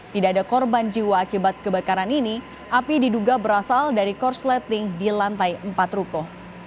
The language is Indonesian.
tidak ada korban jiwa akibat kebakaran ini api diduga berasal dari korsleting di lantai empat ruko